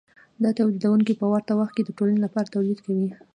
دا تولیدونکي په ورته وخت کې د ټولنې لپاره تولید کوي